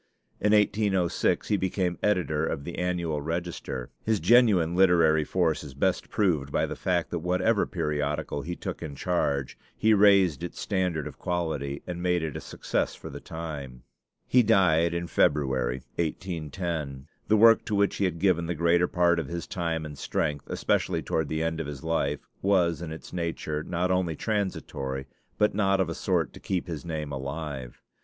In 1806 he became editor of the Annual Register. His genuine literary force is best proved by the fact that whatever periodical he took in charge, he raised its standard of quality and made it a success for the time. He died in February, 1810. The work to which he had given the greater part of his time and strength, especially toward the end of his life, was in its nature not only transitory, but not of a sort to keep his name alive.